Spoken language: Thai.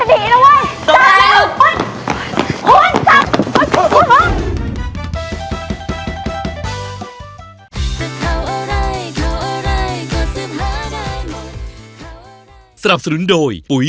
ดีแล้วเว้ยต้องกล่องโอ๊ยโอ๊ย